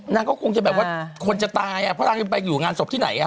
นางก็คงจะแบบว่าคนจะตายเพราะนางจะไปอยู่งานศพที่ไหน